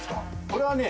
これはね